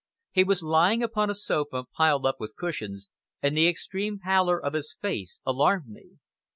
He was lying upon a sofa, piled up with cushions, and the extreme pallor of his face alarmed me.